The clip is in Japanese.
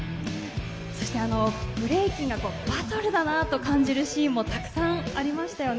そして、ブレイキンがバトルだなと感じるシーンもたくさんありましたよね。